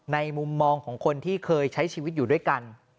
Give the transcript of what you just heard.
มุมมองของคนที่เคยใช้ชีวิตอยู่ด้วยกัน